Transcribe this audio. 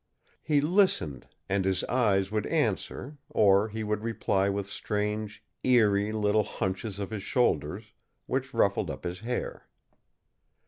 He listened, and his eyes would answer, or he would reply with strange, eery little hunches of his shoulders, which ruffled up his hair.